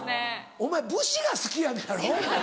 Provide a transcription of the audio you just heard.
お前武士が好きやのやろ？